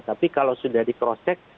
tapi kalau sudah di cross check